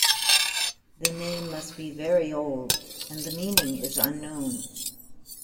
The name must be very old and the meaning is unknown.